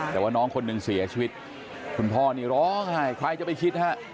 แต่ว่าน้องคนหนึ่งเสียชีวิตคุณพ่อนี่ร้องไห้ใครจะไปคิดฮะ